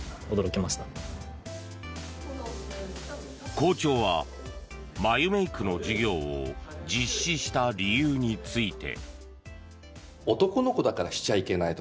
校長は眉メイクの授業を実施した理由について。